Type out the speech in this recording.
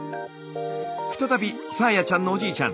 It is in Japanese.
再びさあやちゃんのおじいちゃん